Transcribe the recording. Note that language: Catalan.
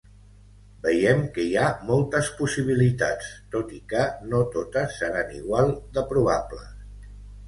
Veiem que hi ha moltes possibilitats tot i que no totes seran igual de probables.